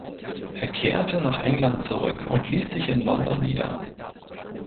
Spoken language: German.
Er kehrte nach England zurück und ließ sich in London nieder.